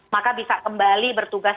maka bisa kembali bertugas